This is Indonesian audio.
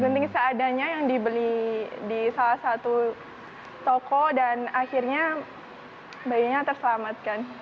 gunting seadanya yang dibeli di salah satu toko dan akhirnya bayinya terselamatkan